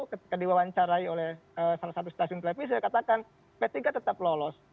ketika diwawancarai oleh salah satu stasiun televisi saya katakan p tiga tetap lolos